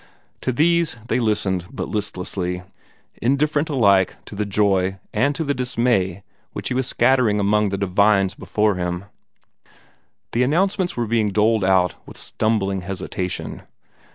To these they listened but listlessly indifferent alike to the joy and to the dismay which he was scattering among the divines before him. The announcements were being doled out with stumbling hesitation.